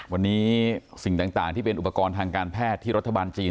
วันนี้สิ่งต่างที่เป็นอุปกรณ์ทางการแพทย์ที่รัฐบาลจีน